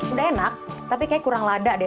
udah enak tapi kayaknya kurang lada deh